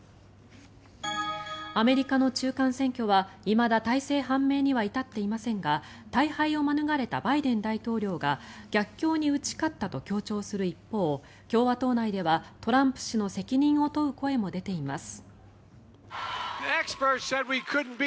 アメリカの中間選挙はいまだ大勢判明には至っていませんが大敗を免れたバイデン大統領が逆境に打ち勝ったと強調する一方共和党内ではトランプ氏の責任を問う声も出ています。